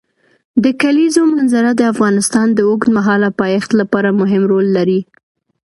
د کلیزو منظره د افغانستان د اوږدمهاله پایښت لپاره مهم رول لري.